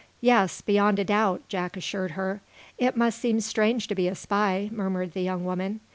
"Yes, beyond a doubt," Jack assured her. "It must seem strange to be a spy," murmured the young woman.